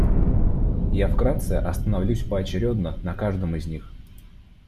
Я вкратце остановлюсь поочередно на каждом из них.